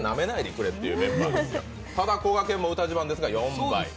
こがんも歌自慢ですが４倍。